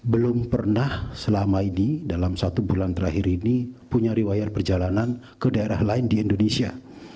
belum pernah selama ini dalam satu bulan terakhir ini punya riwayat perjalanan ke daerah lain di indonesia